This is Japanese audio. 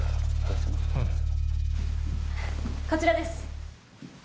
こちらです。